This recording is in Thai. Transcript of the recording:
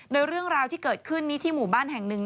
โดยเรื่องราวที่เกิดขึ้นนี้ที่หมู่บ้านแห่งหนึ่ง